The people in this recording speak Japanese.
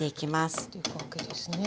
あいっていくわけですね。